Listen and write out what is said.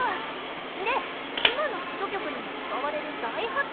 で今のヒット曲にも使われる大発明ってなんなの？